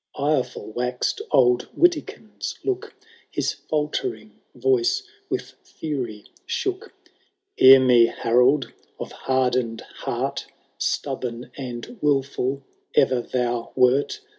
Ireful wax'd old Witikjnd's look, His faltering voice with fury shook ;—" Hear me, Harold of hardened heart I " Stubborn and wilful ever thou wert.